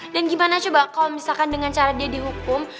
dan gimana coba kalo misalkan dengan cara dia dihukum